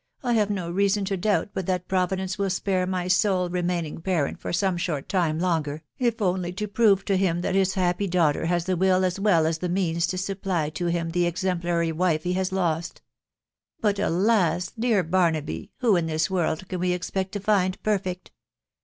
.... I have no reason to doubt but that Providence will spare my sole remaining parent for some short time longer, if only to prove to him that his happy daughter has the will as well as the means to supply to him the exemplary wife he has lost I But, alas ! dear Barnaby, who in this world can we expect to find perfect